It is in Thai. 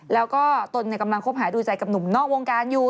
แล้วก็ตนกำลังคบหาดูใจกับหนุ่มนอกวงการอยู่